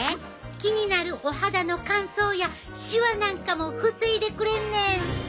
気になるお肌の乾燥やシワなんかも防いでくれんねん！